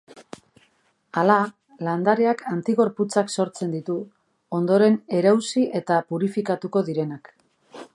Hala, landareak antigorputzak sortzen ditu, ondoren erauzi eta purifikatuko direnak.